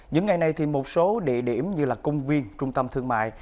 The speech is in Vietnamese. những ngày này thì một số địa điểm như là công viên trung tâm thương mại